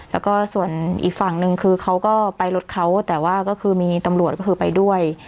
แล้วก็ส่วนอีกฝั่งนึงคือเขาก็ไปรถเขาแต่ว่าก็คือมีตำรวจก็คือไปด้วย